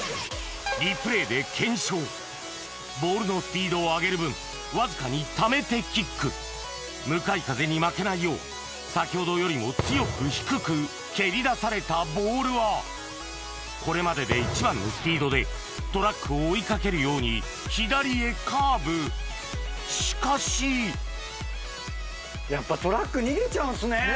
リプレーで検証ボールのスピードを上げる分わずかにためてキック向かい風に負けないよう先ほどよりも強く低く蹴り出されたボールはこれまでで一番のスピードでトラックを追い掛けるように左へカーブしかしやっぱトラック逃げちゃうんですね。